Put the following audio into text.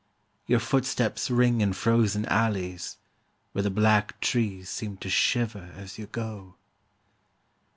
Your footsteps ring in frozen alleys, whereThe black trees seem to shiver as you go.